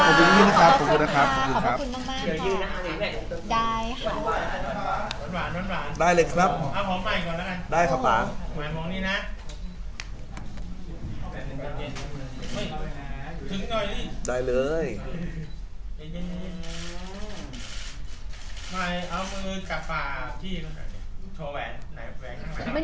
ของอันนี้ด้วยนะคะหนึ่งสองสามหนึ่งสองสามที่ใหม่ไม่เห็นแหวน